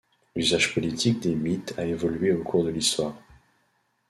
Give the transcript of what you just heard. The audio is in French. L'usage politique des mythes a évolué au cours de l'histoire.